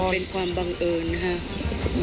เป็นความบังเอิญนะครับ